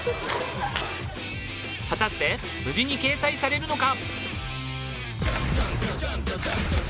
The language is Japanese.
果たして無事に掲載されるのか？